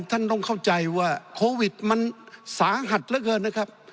ท่านต้องเข้าใจว่าโควิดมันสาหัสเหลือเกินนะครับ